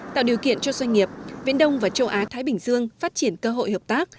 tạo điều kiện cho doanh nghiệp viễn đông và châu á thái bình dương phát triển cơ hội hợp tác